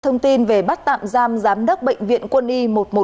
thông tin về bắt tạm giam giám đốc bệnh viện quân y một trăm một mươi một